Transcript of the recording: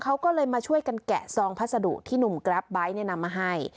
เขาก็เลยมาช่วยกันแกะซองพัสดุที่หนุ่มแกรปไบท์เนี่ยนำมาให้